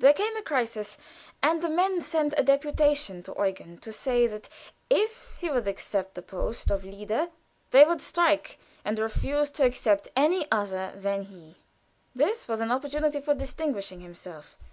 There came a crisis, and the men sent a deputation to Eugen to say that if he would accept the post of leader they would strike, and refuse to accept any other than he. This was an opportunity for distinguishing himself.